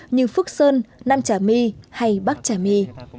như phước sơn nam trà my hay bắc trà my